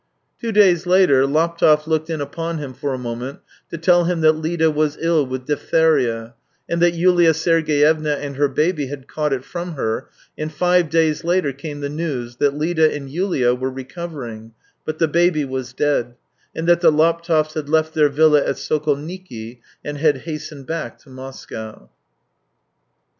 ... 282 THE TALES OF TCHEHOV Two days later Laptev looked in upon him for a moment to tell him that Lida was ill with diphtheria, and that Yulia Sergeyevna and her baby had caught it from her, and five days later came the news that Lida and Yulia were recover ing, but the baby was dead, and that the Laptevs had left their villa at Sokolniki and had hastened back to Moscow.